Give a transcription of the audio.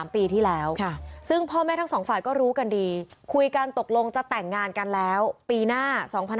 ปีที่แล้วซึ่งพ่อแม่ทั้งสองฝ่ายก็รู้กันดีคุยกันตกลงจะแต่งงานกันแล้วปีหน้า๒๕๖๒